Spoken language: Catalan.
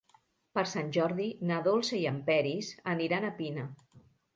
Per Sant Jordi na Dolça i en Peris aniran a Pina.